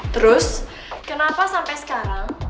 terus kenapa sampai sekarang